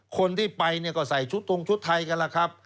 คนที่ไปก็ใส่ชุดตรงชุดไทยกันแล้วครับ